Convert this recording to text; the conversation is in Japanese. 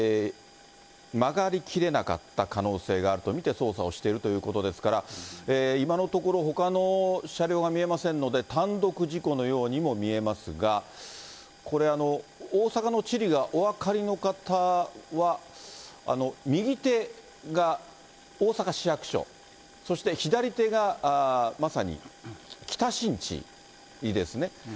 曲がりきれなかった可能性があると見て捜査をしているということですから、今のところ、ほかの車両が見えませんので、単独事故のようにも見えますが、これ、大阪の地理がお分かりの方は、右手が大阪市役所、そして左手がまさに北新地ですね。